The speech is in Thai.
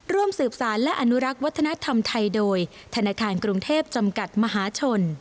ร่วมสืบสารและอนุรักษ์วัฒนธรรมไทยโดยธนาคารกรุงเทพจำกัดมหาชน